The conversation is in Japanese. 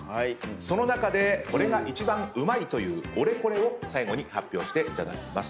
その中でこれが一番うまいというオレコレを最後に発表していただきます。